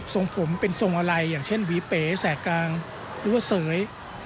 ส่งผมเป็นทรงอะไรอย่างเช่นหวีเป๋แสกกลางหรือว่าเสย